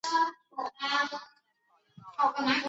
刚果咖啡为茜草科咖啡属下的一个种。